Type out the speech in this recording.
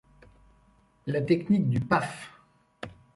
La technique du « Paf !